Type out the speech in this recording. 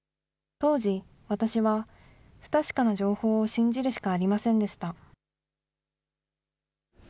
当時、私は不確かな情報を信じるしかありませんでした。